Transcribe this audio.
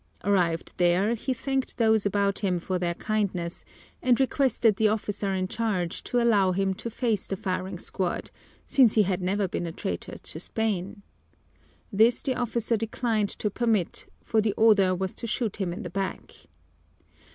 Arrived there, he thanked those about him for their kindness and requested the officer in charge to allow him to face the firing squad, since he had never been a traitor to Spain. This the officer declined to permit, for the order was to shoot him in the back.